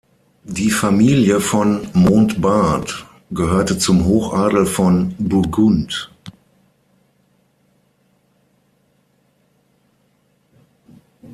Die Familie von Montbard gehörte zum Hochadel von Burgund.